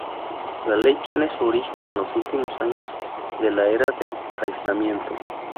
La ley tiene su origen en los últimos años de la Era del Aislamiento.